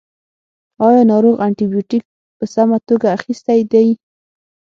ایا ناروغ انټي بیوټیک په سمه توګه اخیستی دی.